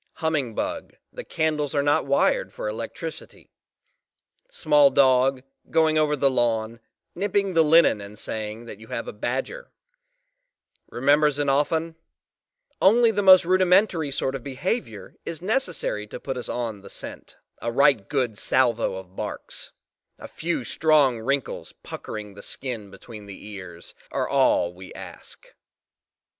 Humming bug, the candles are not wired for electricity. Small dog, going over the lawn, nipping the linen and saying that you have a badger remember Xenophon; only the most rudimentary sort of behaviour is necessary to put us on the scent; a "right good salvo of barks," a few "strong wrinkles" puckering the skin between the ears, are all we ask.